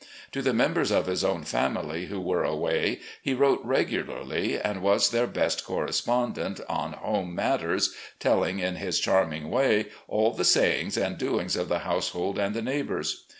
To the members of his own family who were away he wrote regularly, and was their best correspondent on home matters, telling in his charming way all the sayings and doings of the household and the neighbours.